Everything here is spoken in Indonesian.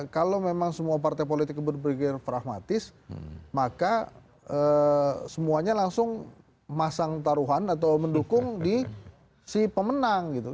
kalau memang semua partai politik berpikir pragmatis maka semuanya langsung masang taruhan atau mendukung di si pemenang gitu